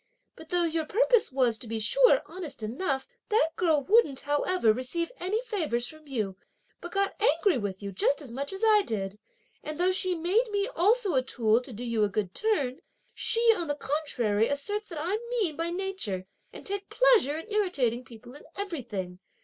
But though your purpose was, to be sure, honest enough, that girl wouldn't, however, receive any favours from you, but got angry with you just as much as I did; and though she made me also a tool to do you a good turn, she, on the contrary, asserts that I'm mean by nature and take pleasure in irritating people in everything!